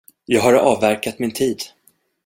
Jag har avverkat min tid.